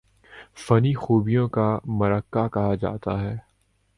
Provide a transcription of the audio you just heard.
فنی خوبیوں کا مرقع کہا جاتا ہے